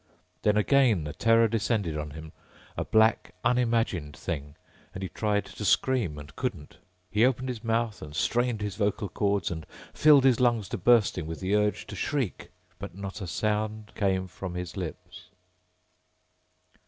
Then again the terror descended on him, a black, unimagined thing and he tried to scream and couldn't. He opened his mouth and strained his vocal cords and filled his lungs to bursting with the urge to shriek ... but not a sound came from his lips.